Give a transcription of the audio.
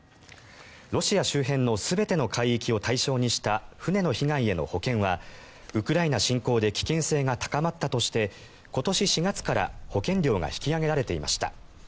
ロシア周辺の全ての海域を対象にした船の被害への保険はウクライナ侵攻で危険性が高まったとして今年４月から保険料が引き上げられていました。